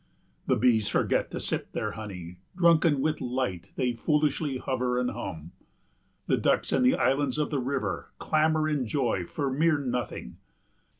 The bees forget to sip their honey; drunken with light they foolishly hover and hum. The ducks in the islands of the river clamour in joy for mere nothing.